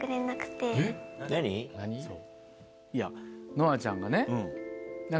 乃愛ちゃんがね